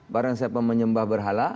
barang siapa menyembah berhala